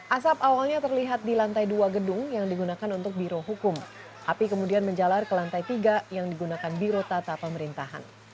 asap awalnya terlihat di lantai dua gedung yang digunakan untuk biro hukum api kemudian menjalar ke lantai tiga yang digunakan biro tata pemerintahan